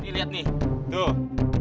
nih liat nih tuh